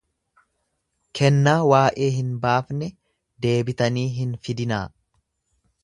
Kennaa waa'ee hin baafne deebitanii hin fidinaa!